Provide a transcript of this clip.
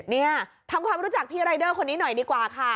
เนี่ยทำความรู้จักพี่รายเดอร์คนนี้หน่อยดีกว่าค่ะ